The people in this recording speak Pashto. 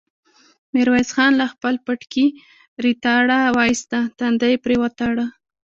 ميرويس خان له خپل پټکي ريتاړه واېسته، تندی يې پرې وتاړه.